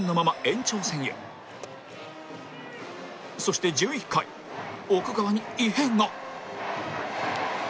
そして１１回奥川に異変が